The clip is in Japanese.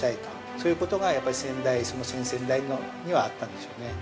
そういうことが、やっぱり先代先々代にはあったんでしょうね。